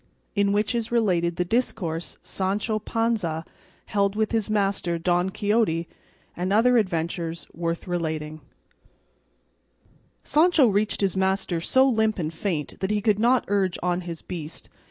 IN WHICH IS RELATED THE DISCOURSE SANCHO PANZA HELD WITH HIS MASTER, DON QUIXOTE, AND OTHER ADVENTURES WORTH RELATING Sancho reached his master so limp and faint that he could not urge on his beast.